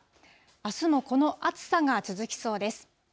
あすも、この暑さが続きそうです。